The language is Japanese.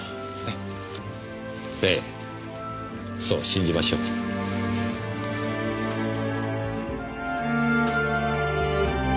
そう信じましょう。